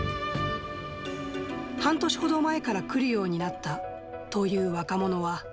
半年ほど前から来るようになったという若者は。